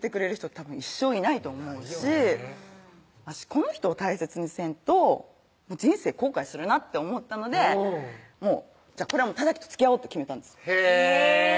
たぶん一生いないと思うし私この人を大切にせんと人生後悔するなって思ったので任記とつきあおうって決めたんですへぇ！